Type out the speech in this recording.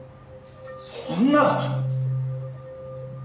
そんな！